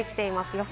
予想